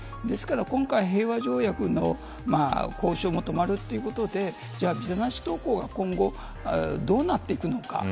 ですから今回、平和条約の交渉も止まるということでじゃあ、ビザなし渡航が今後どうなっていくのか。